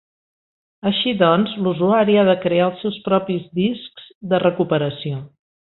Així doncs, l'usuari ha de crear els seus propis discs de recuperació.